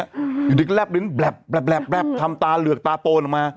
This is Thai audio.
อยู่ดึกแรบทำตาเหลือกตาโปนออกมา